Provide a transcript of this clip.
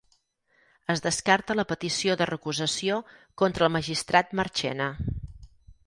Es descarta la petició de recusació contra el magistrat Marchena